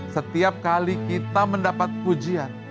setiap kali kita mendapat pujian